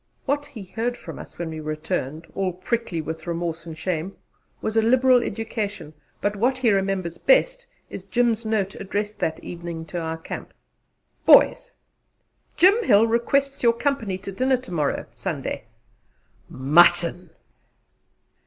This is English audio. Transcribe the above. What he heard from us when he returned, all prickly with remorse and shame, was a liberal education; but what he remembers best is Jim's note addressed that evening to our camp: "Boys! Jim Hill requests your company to dinner to morrow, Sunday!" "Mutton!"